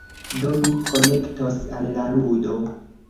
Do, mi konektos al la ludo...